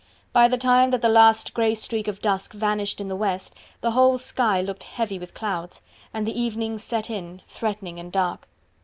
By the time that the last grey streak of dusk vanished in the West, the whole sky looked heavy with clouds, and the evening set in, threatening and dark.